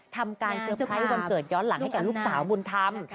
ทำการเซอร์ไพรส์วันเกิดย้อนหลังให้กับลูกสาวบุญธรรม